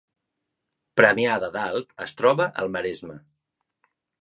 Premia de Dalt es troba al Maresme